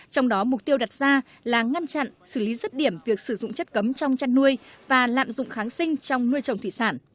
trong đó mục tiêu đặt ra là ngăn chặn xử lý rứt điểm việc sử dụng chất cấm trong chăn nuôi và lạm dụng kháng sinh trong nuôi trồng thủy sản